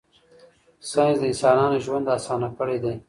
ساینس د انسانانو ژوند اسانه کړی دی.